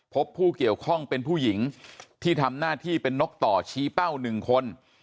พบผู้เกี่ยวข้องเป็นผู้หญิงที่ทำหน้าที่เป็นนกต่อชี้เป้า๑คน